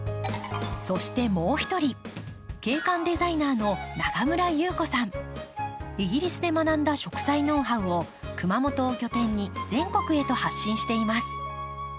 そしてもう一人イギリスで学んだ植栽ノウハウを熊本を拠点に全国へと発信しています。